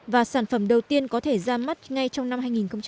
và sản phẩm đầu tiên có thể ra mắt ngay trong năm hai nghìn một mươi chín